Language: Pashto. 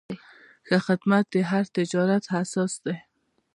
ښه خدمت د هر تجارت اساس دی.